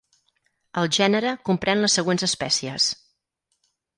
El gènere comprèn les següents espècies.